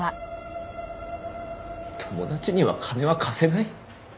「友達には金は貸せない」？